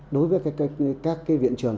đối với các cái viện trường